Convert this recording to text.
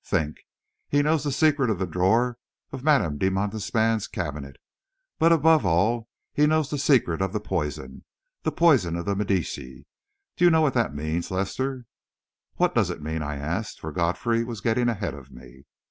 Think: he knows the secret of the drawer of Madame de Montespan's cabinet; but above all he knows the secret of the poison the poison of the Medici! Do you know what that means, Lester?" "What does it mean?" I asked, for Godfrey was getting ahead of me.